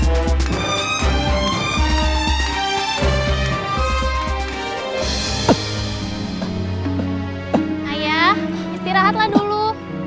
ayah istirahatlah dulu